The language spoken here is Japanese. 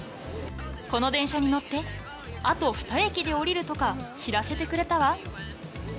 この電車に乗って、あと２駅で降りるとか知らせてくれたわ。